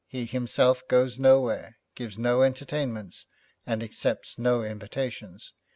He himself goes nowhere, gives no entertainments, and accepts no invitations.